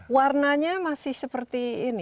warnanya masih seperti ini